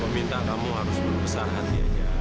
minta kamu harus berpesan hati saja